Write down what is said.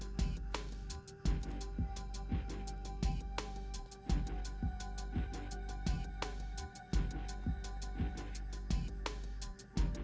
he gue kayak pratt juga